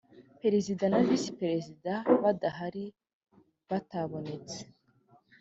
perezida na visi perezida badahari batabonetse